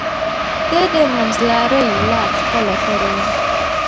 ده د منځلارۍ لار خپله کړې وه.